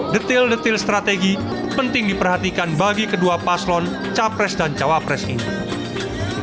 detil detil strategi penting diperhatikan bagi kedua paslon capres dan cawapres ini